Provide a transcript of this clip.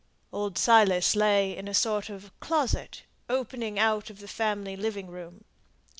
Old Silas lay in a sort of closet, opening out of the family living room.